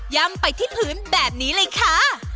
่ำไปที่พื้นแบบนี้เลยค่ะ